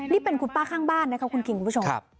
นี่เป็นคุณป้าข้างบ้านนะครับคุณคิงคุณผู้ชม